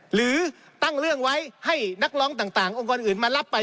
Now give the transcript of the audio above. หรือตั้งเรื่องไว้ให้นักร้องต่างองค์กรอื่นมารับไป